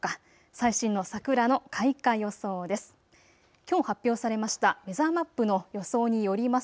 最新の桜の開花予想です。